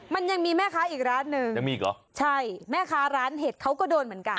มันยังมีแม่ค้าอีกร้านหนึ่งยังมีอีกเหรอใช่แม่ค้าร้านเห็ดเขาก็โดนเหมือนกัน